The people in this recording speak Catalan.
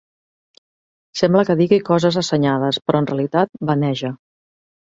Sembla que digui coses assenyades, però en realitat vaneja.